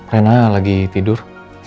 rena lagi tidur